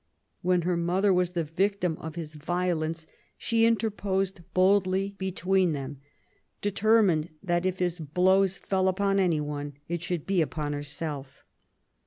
When her mother was the victim of his violence^ she interposed boldly between 12 MART W0LL8T0NE0BAFT GODWIN. •them^ determined that if his blows fell upon any one, it should be upon herself.